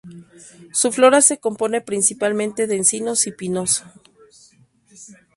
Su flora se compone principalmente de encinos y pinos.